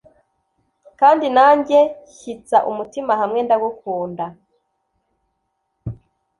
kandi nanjye shyitsa umutima hamwe ndagukunda